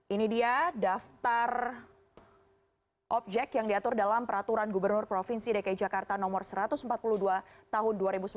ini dia daftar objek yang diatur dalam peraturan gubernur provinsi dki jakarta no satu ratus empat puluh dua tahun dua ribu sembilan belas